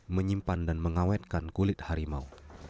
menyimpan dan mengawetkan kulit harimau